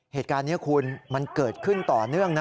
เหตุการณ์นี้คุณมันเกิดขึ้นต่อเนื่องนะ